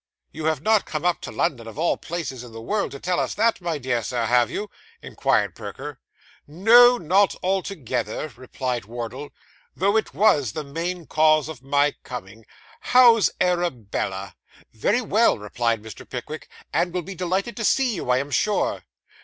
'You have not come up to London, of all places in the world, to tell us that, my dear Sir, have you?' inquired Perker. 'No, not altogether,' replied Wardle; 'though it was the main cause of my coming. How's Arabella?' 'Very well,' replied Mr. Pickwick, 'and will be delighted to see you, I am sure.